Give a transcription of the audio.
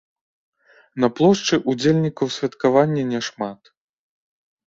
На плошчы ўдзельнікаў святкавання няшмат.